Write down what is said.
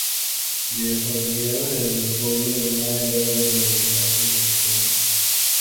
Le acompañaron en el podio Romain Bardet y Daniel Martin, respectivamente.